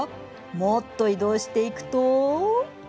もっと移動していくと。